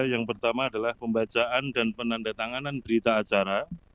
yang pertama adalah pembacaan dan penandatanganan berita acara